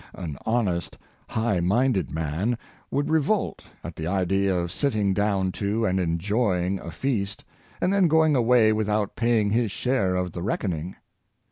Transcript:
An honest, high minded man would re volt at the idea of sitting down to and enjoying a feast, and then going away without paying his share of the reckoning.